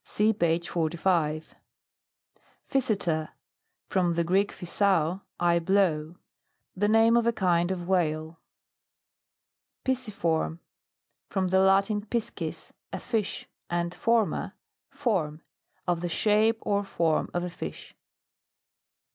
(See pa^e 45.) PHYSETER. From the Greek, phusao, I blow. The name of a kind of whale. PISCIFORM. From the Latin, piscis, a fish, and forma, form. Of the shape or form of a fish.